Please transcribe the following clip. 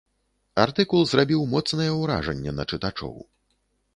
Артыкул зрабіў моцнае ўражанне на чытачоў.